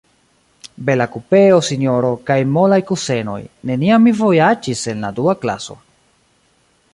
Bela kupeo, sinjoro, kaj molaj kusenoj; neniam mi vojaĝis en la dua klaso.